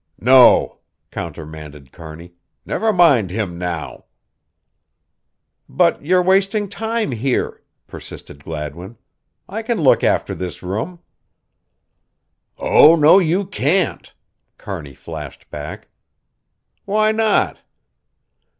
"No," countermanded Kearney, "never mind him now." "But you're wasting time here," persisted Gladwin. "I can look after this room." "Oh, no, you can't!" Kearney flashed back. "Why not?"